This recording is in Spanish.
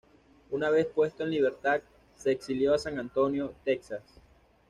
Una vez puesto en libertad se exilió a San Antonio, Texas.